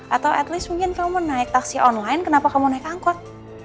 atau at least mungkin kamu naik taksi online kenapa kamu naik angkot